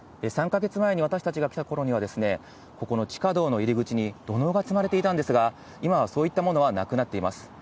３か月前に私たちが来たころには、ここの地下道の入り口に土のうが積まれていたんですが、今はそういったものはなくなっています。